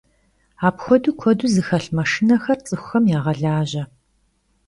Apxuedeu kuedu zexelh maşşinexer ts'ıxuxem yağelaje.